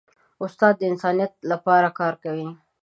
استاد د انسانیت لپاره کار کوي.